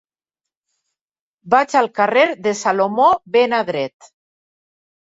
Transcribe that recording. Vaig al carrer de Salomó ben Adret